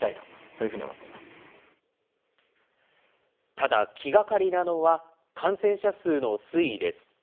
ただ、気がかりなのは、感染者数の推移です。